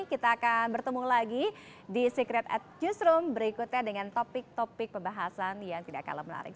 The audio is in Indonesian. kita akan bertemu lagi di secret at newsroom berikutnya dengan topik topik pembahasan yang tidak kalah menarik